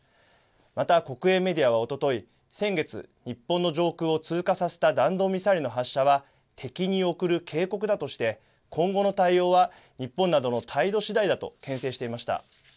また、国営メディアはおととい、先月、日本の上空を通過させた弾道ミサイルの発射は、敵に送る警告だとして、今後の対応は日本などの態度しだいだとけん制していました。